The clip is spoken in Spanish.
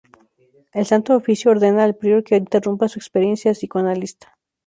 El Santo Oficio ordena al prior que interrumpa su experiencia psicoanalista.